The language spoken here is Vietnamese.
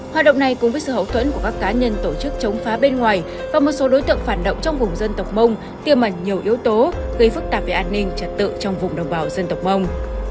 hoạt động này cùng với sự hậu thuẫn của các cá nhân tổ chức chống phá bên ngoài và một số đối tượng phản động trong vùng dân tộc mông tiêm ẩn nhiều yếu tố gây phức tạp về an ninh trật tự trong vùng đồng bào dân tộc mông